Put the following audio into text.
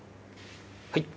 はい。